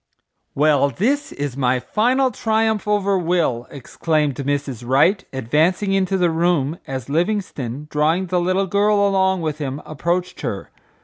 "Well, this is my final triumph over Will," exclaimed Mrs. Wright, advancing into the room, as Livingstone, drawing the little girl along with him, approached her.